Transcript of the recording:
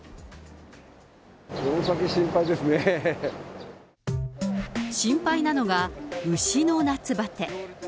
この先、心配なのが、牛の夏バテ。